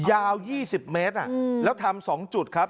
ยาว๒๐เมตรแล้วทำ๒จุดครับ